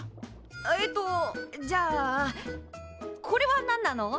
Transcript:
えっとじゃあこれは何なの？